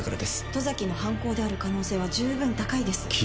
十崎の犯行である可能性は十分高いです。